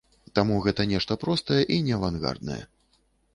Таму гэта нешта простае і неавангарднае.